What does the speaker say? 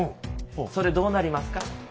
それどうなりますか？